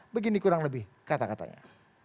begini kurang lebih kata katanya